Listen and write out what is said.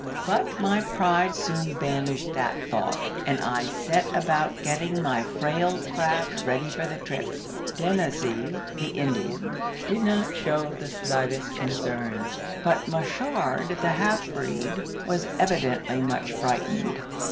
But my pride soon banished that thought, and I set about getting my frail craft ready for the trip. Dennazee, the Indian, did not show the slightest concern; but Machard, the half breed, was evidently much frightened.